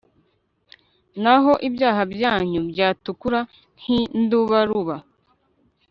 n'aho ibyaha byanyu byatukura nk'indubaruba